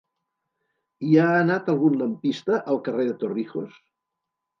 Hi ha algun lampista al carrer de Torrijos?